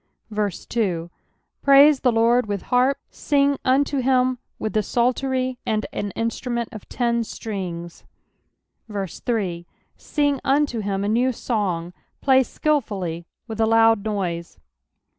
2 Praise the LORD with harp: sing unto him with the psaltery arid an instrument of ten strings, 3 Sing unto him a new song ; play skilfully with a loud noise.